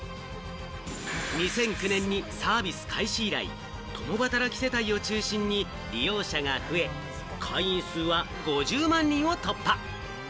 ２００９年にサービス開始以来、共働き世帯を中心に利用者が増え、会員数は５０万人を突破！